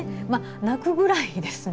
泣くぐらいですね。